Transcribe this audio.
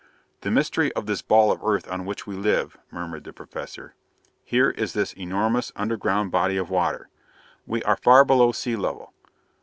"The mystery of this ball of earth on which we live!" murmured the Professor. "Here is this enormous underground body of water. We are far below sea level.